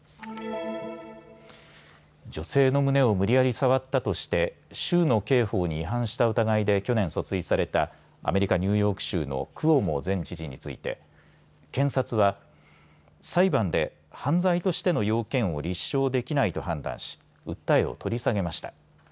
女性の胸を無理やり触ったとして州の刑法に違反した疑いで去年、訴追されたアメリカニューヨーク州のクオモ前知事について検察は裁判で犯罪としての要件を立証できないと判断し訴えを取り下げました。